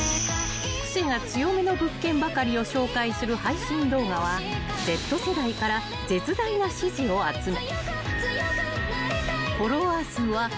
［癖が強めの物件ばかりを紹介する配信動画はＺ世代から絶大な支持を集め］